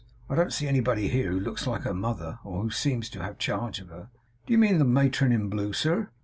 I don't see anybody here, who looks like her mother, or who seems to have charge of her.' 'Do you mean the matron in blue, sir?